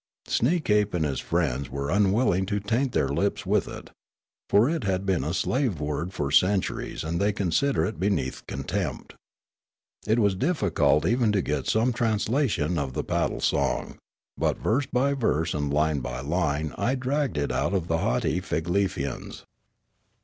Sneekape and his friends were unwilling to taint their lips with it; for it had been a .slave word for centuries and they considered it beneath contempt. It was difficult even to get some translation of the paddle song ; but verse by verse and line by line I dragged it out of the haughty Figlefians.